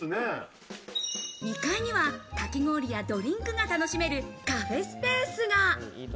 ２階にはかき氷やドリンクが楽しめるカフェスペースが。